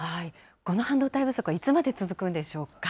この半導体不足、いつまで続くんでしょうか。